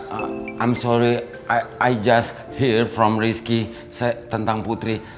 maaf saya baru saja dengar dari rizky tentang putri